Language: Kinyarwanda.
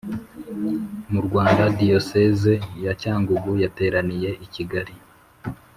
Mu Rwanda Diyoseze ya Cyangugu yateraniye I Kigali